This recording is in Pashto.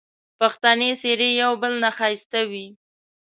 پښتني څېرې یو بل نه ښایسته وې